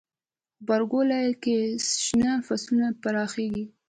غبرګولی کې شنه فصلونه پراخیږي.